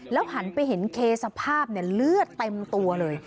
แล้วหันไปเห็นเคสภาพเนี่ยเลือดเต็มตัวเลย